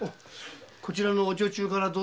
こちらのお女中からどうぞ。